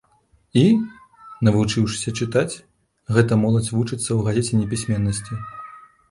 І, навучыўшыся чытаць, гэта моладзь вучыцца ў газеце непісьменнасці.